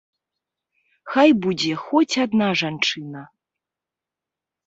Хай будзе хоць адна жанчына.